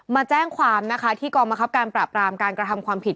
มาแจ้งความนะคะที่กองบังคับการปราบรามการกระทำความผิด